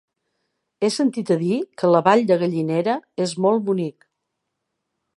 He sentit a dir que la Vall de Gallinera és molt bonic.